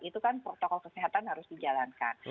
itu kan protokol kesehatan harus dijalankan